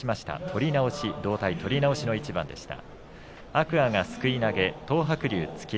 取り直しの対戦でした。